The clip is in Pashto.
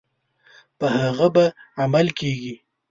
په هغه به عمل کیږي.